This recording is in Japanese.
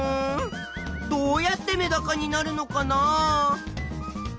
どうやってメダカになるのかな？